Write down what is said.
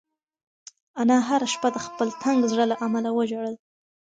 انا هره شپه د خپل تنګ زړه له امله وژړل.